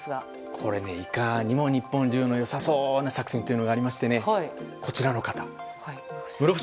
これ、いかにも日本流の良さそうな作戦がありましてこちらの方室伏